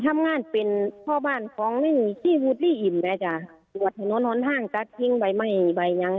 ทำงานเป็นพ่อบ้านของนี่ที่หลีอิ่มนะจ๊ะดวชถนนฮรรษ์ห้างกับทิ้งไบไหม่ไบยัง